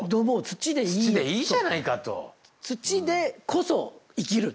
土でいいじゃないかと。